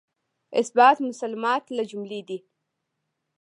اثبات مسلمات له جملې دی.